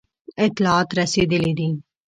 اطلاعات رسېدلي دي.